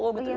oh ya allah